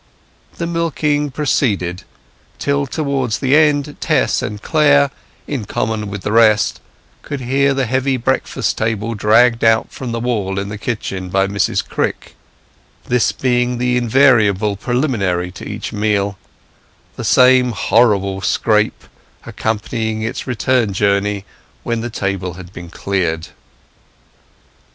The milking progressed, till towards the end Tess and Clare, in common with the rest, could hear the heavy breakfast table dragged out from the wall in the kitchen by Mrs Crick, this being the invariable preliminary to each meal; the same horrible scrape accompanying its return journey when the table had been cleared.